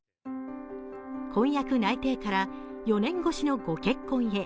婚約内定から４年越しのご結婚へ。